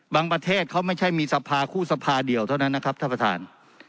ประเทศเขาไม่ใช่มีสภาคู่สภาเดียวเท่านั้นนะครับท่านประธาน